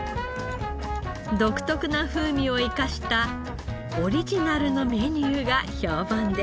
独特な風味を生かしたオリジナルのメニューが評判です。